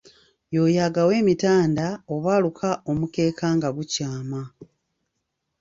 Y'oyo agawa emitanda oba aluka omukeeka nga gukyama.